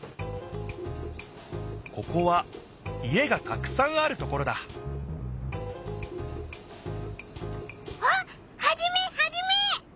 ここは家がたくさんあるところだあっハジメハジメ！